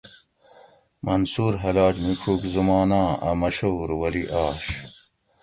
منصور حلاج میڄوک زماناۤں اۤ مشہور ولی آش